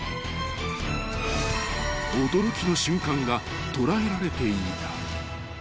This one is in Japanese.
［驚きの瞬間が捉えられていた］